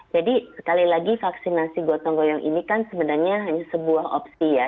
jadi sekali lagi vaksinasi buat botol royong ini kan sebenarnya hanya sebuah opsi ya